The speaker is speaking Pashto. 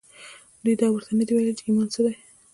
دوی دا ورته نه دي ويلي چې ايمان څه دی.